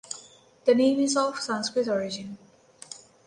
The name is of Sanskrit origin.